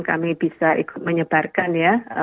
kami bisa ikut menyebarkan ya